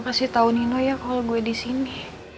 pasti tau nino ya kalo gue disini